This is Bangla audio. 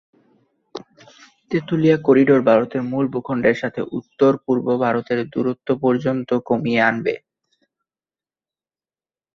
তেতুলিয়া করিডোর ভারতের মূল ভূখণ্ডের সাথে উত্তর-পূর্ব ভারতের দূরত্ব পর্যন্ত কমিয়ে আনবে।